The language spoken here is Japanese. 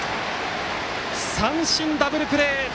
三振、ダブルプレー！